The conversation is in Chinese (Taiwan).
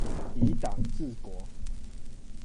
以黨治國